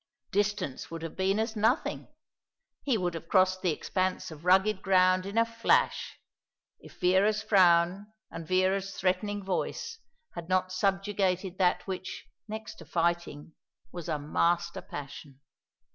Distance would have been as nothing. He would have crossed the expanse of rugged ground in a flash, if Vera's frown and Vera's threatening voice had not subjugated that which, next to fighting, was a master passion.